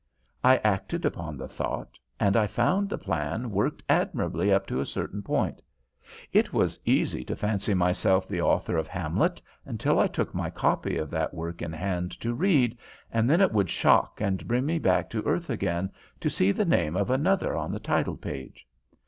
I acted upon the thought, and I found the plan worked admirably up to a certain point. It was easy to fancy myself the author of Hamlet, until I took my copy of that work in hand to read, and then it would shock and bring me back to earth again to see the name of another on the title page.